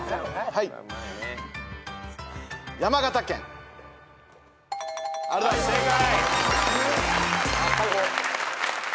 はい正解！